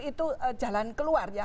itu jalan keluar